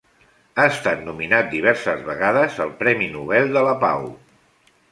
Ha estat nominat diverses vegades a Premi Nobel de la Pau.